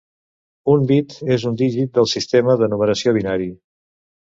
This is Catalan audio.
Un bit és un dígit del sistema de numeració binari.